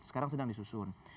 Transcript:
sekarang sedang disusun